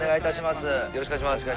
よろしくお願いします。